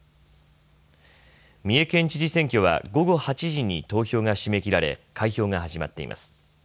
三重県知事選挙は午後８時に投票が締め切られ開票が始まっています。